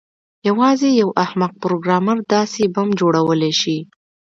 یوازې یو احمق پروګرامر داسې بم جوړولی شي